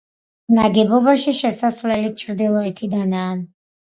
ნაგებობაში შესასვლელი ჩრდილოეთიდანაა.